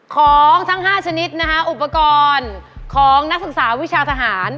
ของทั้ง๕ชนิดนะคะอุปกรณ์ของนักศึกษาวิชาทหาร